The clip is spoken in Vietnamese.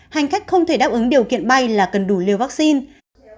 hành khách không thể đáp ứng điều kiện bay là cần đủ liều vaccine